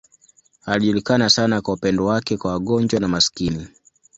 Alijulikana sana kwa upendo wake kwa wagonjwa na maskini.